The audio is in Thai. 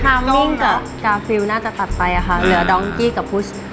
ก็พี่เชรคเรียกว่าไงครับ